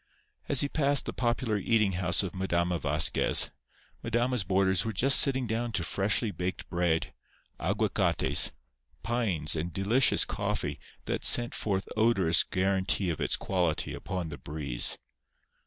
As he passed the popular eating house of Madama Vasquez, Madama's boarders were just sitting down to freshly baked bread, aguacates, pines and delicious coffee that sent forth odorous guarantee of its quality upon the breeze.